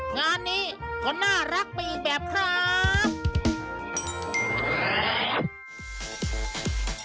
งานนี้ก็น่ารักไปอีกแบบครับ